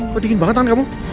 kok dingin banget kan kamu